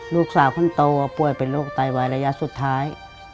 ลูกสาวคนโตป่วยเป็นโรคไตวายระยะสุดท้าย